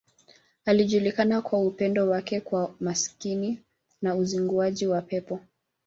Alijulikana kwa upendo wake kwa maskini na kwa uzinguaji wa pepo.